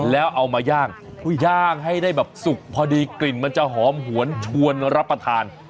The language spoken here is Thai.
แล้วเอามาย่างย่างให้ได้แบบสุกพอดีกลิ่นมันจะหอมหวนชวนรับประทาน